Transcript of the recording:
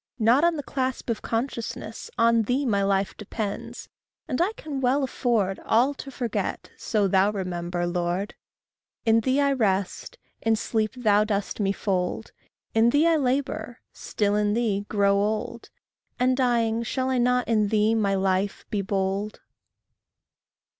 Not on the clasp Of consciousness on thee My life depends; and I can well afford All to forget, so thou remember, Lord. In thee I rest; in sleep thou dost me fold; In thee I labour; still in thee, grow old; And dying, shall I not in thee, my Life, be bold?